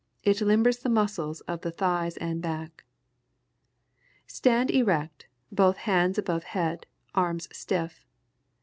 It limbers the muscles of the thighs and back._] Stand erect, both hands above head, arms stiff.